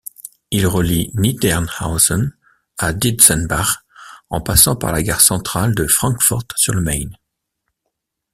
Il relie Niedernhausen à Dietzenbach en passant par la Gare centrale de Francfort-sur-le-Main.